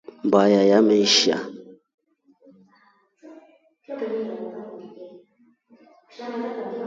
Mbaya imeshiya.